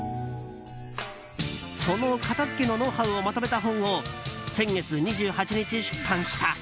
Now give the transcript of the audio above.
その片付けのノウハウをまとめた本を先月２８日出版した。